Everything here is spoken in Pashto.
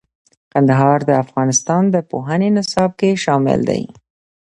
کندهار د افغانستان د پوهنې نصاب کې شامل دی.